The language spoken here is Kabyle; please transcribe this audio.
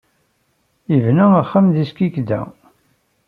Yebna axxam deg Skikda.